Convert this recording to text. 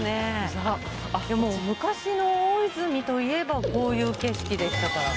昔の大泉といえばこういう景色でしたから。